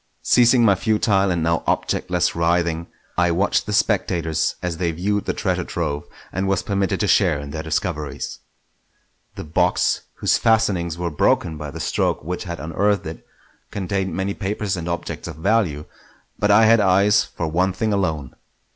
Ceasing my futile and now objectless writhing, I watched the spectators as they viewed the treasure trove, and was permitted to share in their discoveries. The box, whose fastenings were broken by the stroke which had unearthed it, contained many papers and objects of value; but I had eyes for one thing alone.